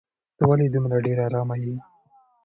ته ولې دومره ډېره ارامه یې؟